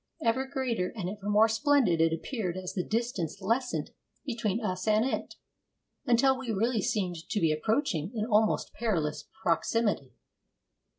Ever greater and ever more splendid it appeared as the distance lessened between us and it, until we really seemed to be approaching an almost perilous proximity.